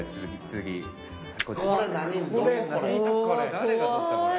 誰が撮ったのよ。